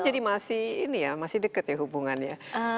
jadi masih ini ya masih dekat ya hubungannya